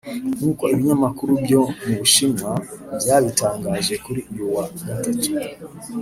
nk’uko ibinyamakuru byo mu Bushinwa byabitangaje kuri uyu wa Gatatu